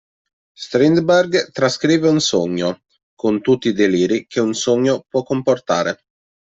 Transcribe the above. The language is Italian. Strindberg trascrive un sogno, con tutti i deliri che un sogno può comportare.